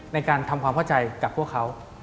ในการทำความเข้าใจกับพวกเขา